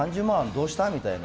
、どうした？みたいな。